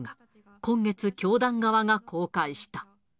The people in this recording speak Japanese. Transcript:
今月、教団側が公開した。